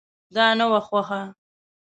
دا نه وه خوښه.